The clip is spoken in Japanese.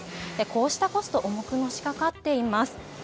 こうしたコスト重くのしかかっています。